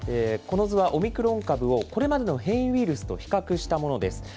この図はオミクロン株をこれまでの変異ウイルスと比較したものです。